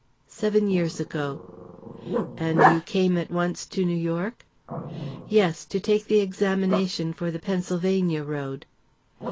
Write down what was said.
"Seven years ago." "And you came at once to New York?" "Yes, to take the examination for the Pennsylvania road."